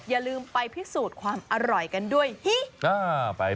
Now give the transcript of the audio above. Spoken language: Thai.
อย่าลืมไปพิสูจน์ความอร่อยกันด้วยฮิ